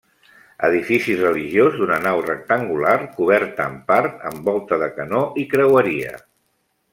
Edifici religiós d'una nau rectangular, coberta en part amb volta de canó i creueria.